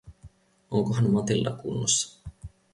Onkohan Matilda kunnossa?